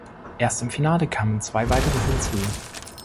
Erst im Finale kamen zwei weitere hinzu.